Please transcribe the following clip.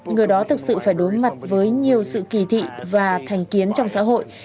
người đó thực sự phải đối mặt với nhiều sự kỳ thị và thành kiến trong xã hội